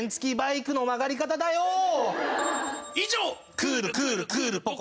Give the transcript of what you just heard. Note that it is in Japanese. クールクールクールポコ。